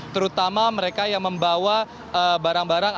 terutama mereka yang membawa barang barang